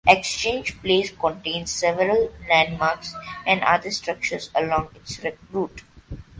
Exchange Place contains several landmarks and other structures along its route.